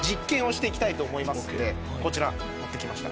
こちら持ってきました。